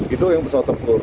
itu yang pesawat tempur